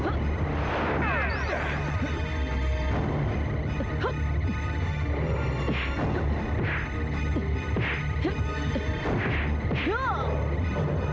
jangan berdiri juma